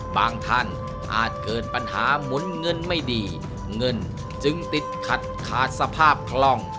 ท่านอาจเกิดปัญหาหมุนเงินไม่ดีเงินจึงติดขัดขาดสภาพคล่อง